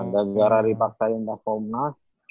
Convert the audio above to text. gak bergara dipaksain pomnas